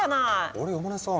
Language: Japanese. あれ山根さん